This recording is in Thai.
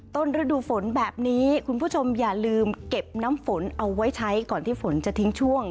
ฤดูฝนแบบนี้คุณผู้ชมอย่าลืมเก็บน้ำฝนเอาไว้ใช้ก่อนที่ฝนจะทิ้งช่วง